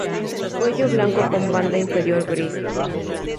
Cuello blanco con banda inferior gris.